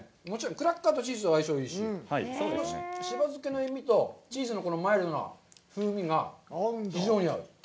クラッカーとチーズは相性がいいし、しば漬けの塩味とチーズのマイルドの風味が非常に合う。